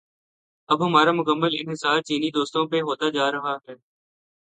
اب ہمارا مکمل انحصار چینی دوستوں پہ ہوتا جا رہا ہے۔